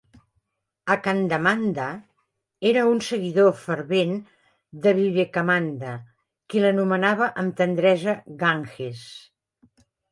Akhandananda era un seguidor fervent de Vivekananda, qui l"anomenava amb tendresa "Ganges".